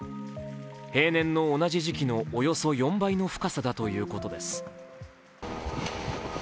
平年の同じ時期のおよそ４倍の深さだということです。